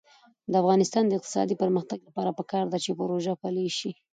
د افغانستان د اقتصادي پرمختګ لپاره پکار ده چې پروژه پلي شي.